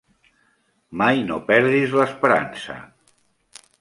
Mai no perdis l'esperança.